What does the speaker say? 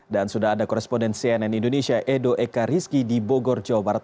dan sudah ada koresponden cnn indonesia edo eka rizki di bogor jawa barat